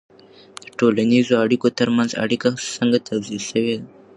د ټولنیزو اړیکو ترمنځ اړیکه څنګه توضیح سوې ده؟